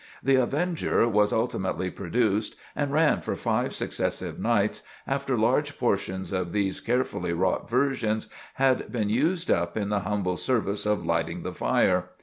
"The Avenger" was ultimately produced, and ran for five successive nights, after large portions of these carefully wrought versions had been used up in the humble service of lighting the fire.